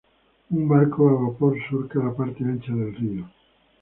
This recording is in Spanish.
Un barco a vapor surca la parte ancha del río.